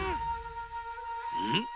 うん？